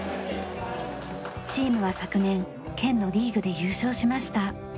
チームは昨年県のリーグで優勝しました。